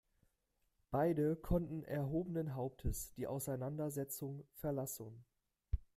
Beide konnten erhobenen Hauptes die Auseinandersetzung verlassen.